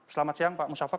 selamat siang pak musafak